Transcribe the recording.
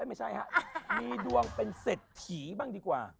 ไม่ใช่ฮะมีดวงเป็นเศรษฐีบ้างดีกว่า